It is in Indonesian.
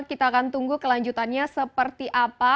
kita akan tunggu kelanjutannya seperti apa